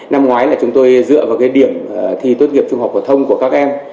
năm ngoái là chúng tôi dựa vào cái điểm thi tốt nghiệp trung học phổ thông của các em